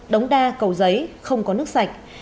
đóng đa cầu giấy không có nước sạch